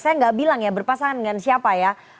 saya nggak bilang ya berpasangan dengan siapa ya